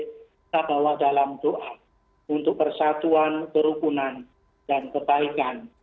kita bawa dalam doa untuk persatuan kerukunan dan kebaikan